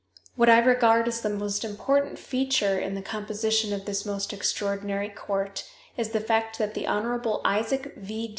What I regard as the most important feature in the composition of this most extraordinary court is the fact that the Hon. Isaac V.